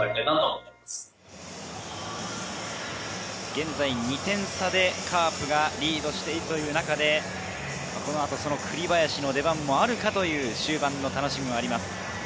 現在２点差でカープがリードしている中で、この後、その栗林の出番もあるか終盤の楽しみがあります。